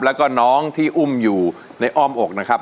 แล้วก็น้องที่อุ้มอยู่ในอ้อมอกนะครับ